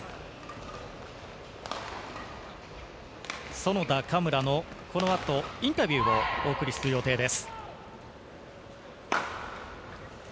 園田・嘉村のこの後、インタビューをお送りする予定です。